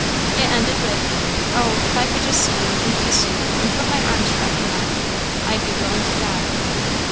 It ended with "Oh, if I could just see you, and kiss you, and put my arms round you, Mamma, I'd be willing to die!"